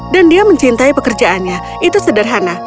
dan dia mencintai pekerjaannya itu sederhana